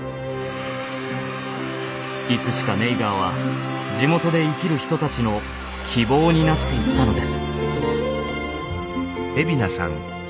いつしかネイガーは地元で生きる人たちの希望になっていったのです。